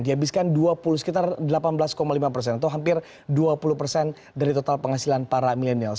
dihabiskan sekitar delapan belas lima persen atau hampir dua puluh persen dari total penghasilan para milenials